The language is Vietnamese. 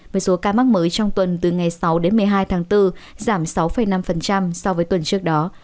với số ca mắc mới trong tuần từ ngày sáu đến một mươi hai tháng bốn giảm sáu năm so với tuần trước đó